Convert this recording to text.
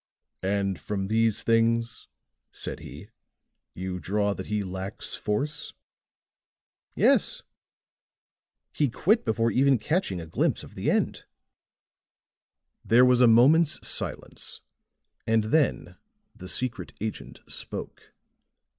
"And from these things," said he, "you draw that he lacks force?" "Yes; he quit before even catching a glimpse of the end." There was a moment's silence, and then the secret agent spoke.